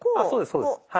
そうですそうです。